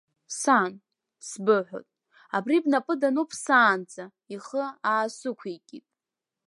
Сан, сбыҳәоит, абри бнапы дануп саанӡа, ихы аасықәикит.